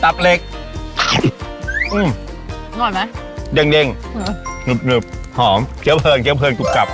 ตับเล็กอื้ออร่อยไหมเด็งเด็งหอมเจ๊วเผินเจ๊วเผินจุบจับ